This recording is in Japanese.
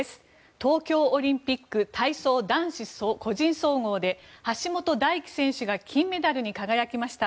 東京オリンピック体操男子個人総合で橋本大輝選手が金メダルに輝きました。